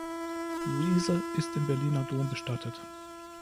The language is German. Luise ist im Berliner Dom bestattet.